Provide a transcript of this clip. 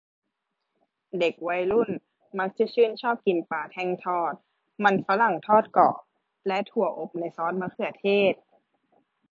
เด็กวัยรุ่นมักจะชื่นชอบกินปลาแท่งทอด มันฝรั่งทอดกรอบ และถั่วอบในซอสมะเขือเทศ